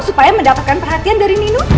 supaya mendapatkan perhatian dari nino